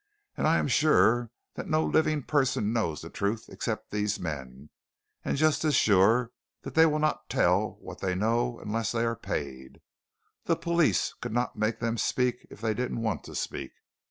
And I am sure that no living person knows the truth except these men, and just as sure that they will not tell what they know unless they are paid. The police could not make them speak if they didn't want to speak.